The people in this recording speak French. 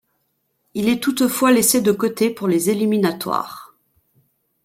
Il est toutefois laissé de côté pour les éliminatoires.